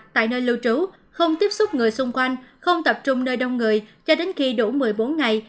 tại nơi lưu trú không tiếp xúc người xung quanh không tập trung nơi đông người cho đến khi đủ một mươi bốn ngày